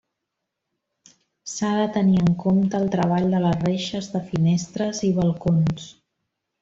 S'ha de tenir en compte el treball de les reixes de finestres i balcons.